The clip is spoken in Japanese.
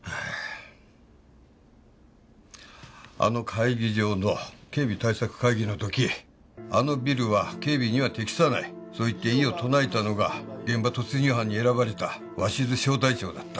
あの会議場の警備対策会議の時あのビルは警備には適さないそう言って異を唱えたのが現場突入班に選ばれた鷲頭小隊長だった。